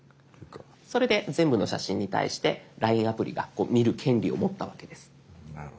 それで全部の写真に対してＬＩＮＥアプリが見る権利を持ったわけです。